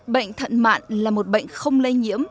bệnh thận mạng là một bệnh không lây nhiễm